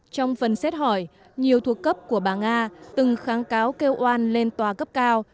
trong phần xét hỏi nhiều thuộc cấp của bà nga từng kháng cáo kêu oan lên tòa cấp cao